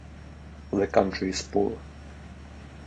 The county is poor.